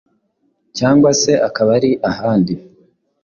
cyangwa se akaba ari ahandi